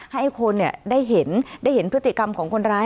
ให้คนได้เห็นพฤติกรรมของคนร้าย